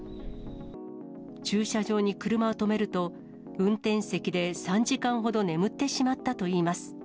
駐車場に車を止めると、運転席で３時間ほど眠ってしまったといいます。